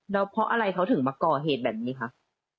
แล้วเพราะอะไรเขาถึงมาก่อเหตุแบบนี้คะ